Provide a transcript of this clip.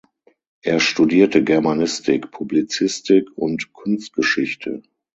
Er studierte Germanistik, Publizistik und Kunstgeschichte.